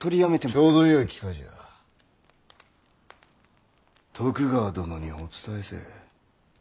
ちょうどよい機会じゃ徳川殿にお伝えせい。